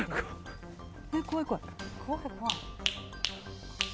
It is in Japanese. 怖い、怖い。